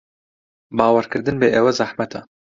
باوەڕکردن بە ئێوە زەحمەتە.